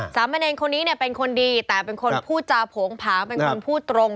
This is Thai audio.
สามเณรคนนี้เนี่ยเป็นคนดีแต่เป็นคนพูดจาโผงผางเป็นคนพูดตรง